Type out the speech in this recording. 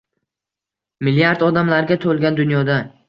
Milliard odamlarga to‘lgan dunyoda